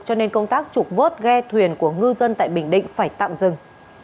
cho nên công tác trục vớt ghe thuyền của ngư dân tại bình định phải tạm dừng